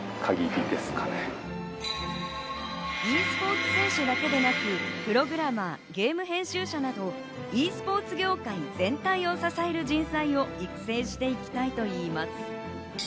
ｅスポーツ選手だけでなく、プログラマー、ゲーム編集者など、ｅスポーツ業界全体を支える人材を育成していきたいといいます。